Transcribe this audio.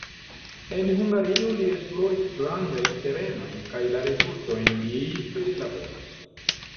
En Hungario li esploris grandajn terenojn kaj la rezultojn li prilaboris.